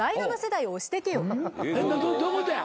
どういうことや？